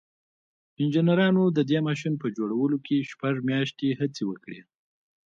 انجنيرانو د دې ماشين په جوړولو کې شپږ مياشتې هڅې وکړې.